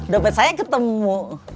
dombet saya ketemu